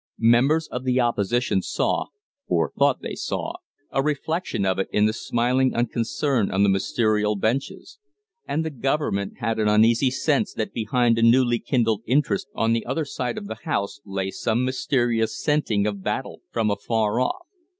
Members of the Opposition saw, or thought they saw, a reflection of it in the smiling unconcern on the Ministerial benches; and the government had an uneasy sense that behind the newly kindled interest on the other side of the House lay some mysterious scenting of battle from afar off.